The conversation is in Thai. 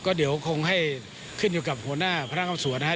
ก็เดี๋ยวคงให้ขึ้นอยู่กับหัวหน้าพนักงานสวนนะครับ